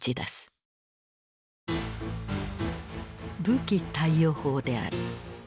武器貸与法である。